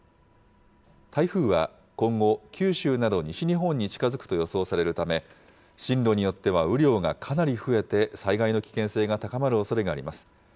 台風は今後、九州など西日本に近づくと予想されるため、進路によっては雨量がかなり増えて災害の危険性が高まるおそれがあります。